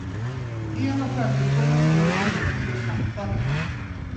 En av sköterskorna stod bredvid och skrattade.